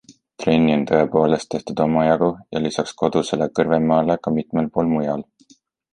Trenni on tõepoolest tehtud omajagu ja lisaks kodusele Kõrvemaale ka mitmel pool mujal.